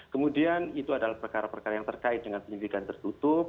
kemudian itu adalah perkara perkara yang terkait dengan penyelidikan tertutup